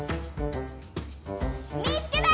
見つけた！